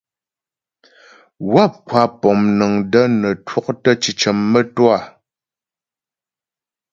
Wáp kwa pɔmnəŋ də́ nə twɔktə́ cicə mə́twâ.